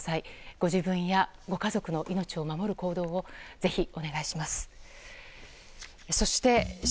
ご自分やご家族の命を守る行動をぜひお願いします。